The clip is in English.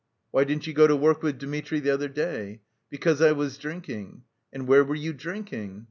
'Why didn't you go to work with Dmitri the other day?' 'Because I was drinking.' 'And where were you drinking?